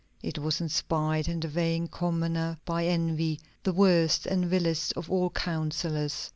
It was inspired in the vain commoner by envy, the worst and vilest of all counsellors.